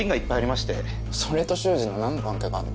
それと秀司の何の関係があんの？